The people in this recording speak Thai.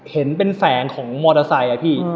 เห็นเป็นแสงของมอเตอร์ไซค์อะพี่